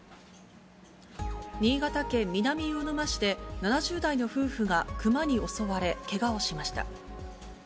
新潟県南魚沼市で、７０代の夫婦がクマに襲われ、けがをしました。